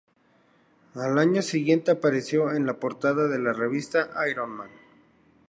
Al año siguiente, apareció en la portada de la revista "Iron Man".